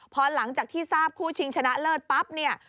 พอหลังจากที่ทราบคู่ชิงชนะเลิศปั๊บเนี่ย